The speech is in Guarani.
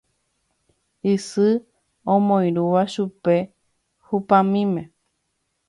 Isy omoirũva chupe hupamíme